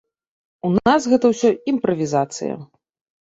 У нас гэта ўсё імправізацыя.